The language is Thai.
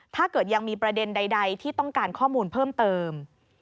ถ้าเกิดยังมีประเด็นใดที่ต้องการข้อมูลเพิ่มเติม